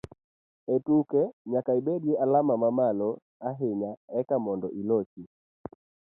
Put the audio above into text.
E tuke, nyaka ibed gi alama mamalo ahinya eka mondo ilochi